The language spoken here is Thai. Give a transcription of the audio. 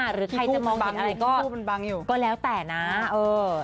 หรือใครจะมองเห็นอะไรก็บังอยู่ก็แล้วแต่นะเออ